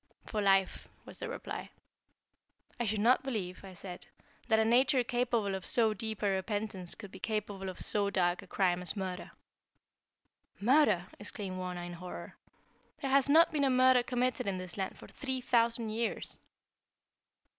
"For life," was the reply. "I should not believe," I said, "that a nature capable of so deep a repentance could be capable of so dark a crime as murder." "Murder!" exclaimed Wauna in horror. "There has not been a murder committed in this land for three thousand years."